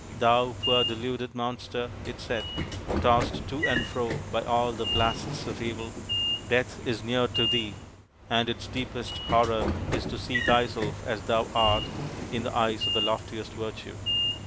" Thou poor deluded monster," it said, " tossed to and fro by all the blasts of evil, Death is near to thee, and its deepest horror is to see thyself as thou art in the eyes of the loftiest virtue."